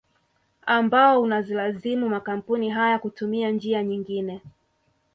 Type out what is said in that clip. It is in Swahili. Ambao unazilazimu makampuni haya kutumia njia nyingine